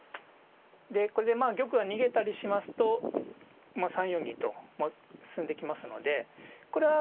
でこれで玉が逃げたりしますと３四銀と進んできますのでこれは